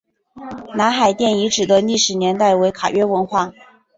南海殿遗址的历史年代为卡约文化。